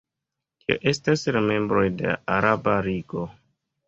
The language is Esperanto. Tio estas la membroj de la Araba Ligo.